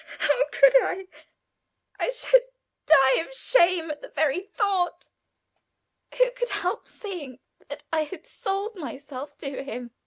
"How could I? I should die of shame at the very thought. Who could help seeing that I had sold myself to him?"